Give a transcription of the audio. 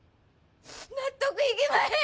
納得いきまへん！